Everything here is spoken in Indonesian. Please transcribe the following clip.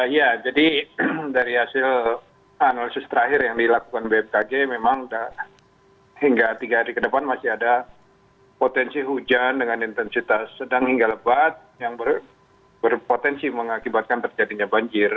ya jadi dari hasil analisis terakhir yang dilakukan bmkg memang hingga tiga hari ke depan masih ada potensi hujan dengan intensitas sedang hingga lebat yang berpotensi mengakibatkan terjadinya banjir